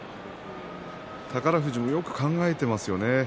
宝富士もよく考えていますよね。